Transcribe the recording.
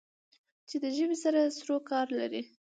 چې د ژبې سره سرو کار لری